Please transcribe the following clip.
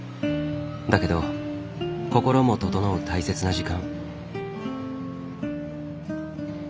だけど心も整う大切な時間。